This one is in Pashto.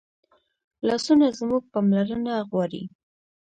لاسونه زموږ پاملرنه غواړي